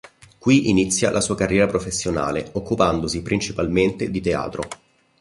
Qui inizia la sua carriera professionale, occupandosi principalmente di teatro.